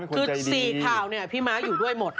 คือ๔ข่าวเนี่ยพี่ม้าอยู่ด้วยหมด